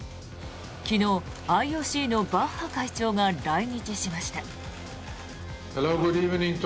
昨日、ＩＯＣのバッハ会長が来日しました。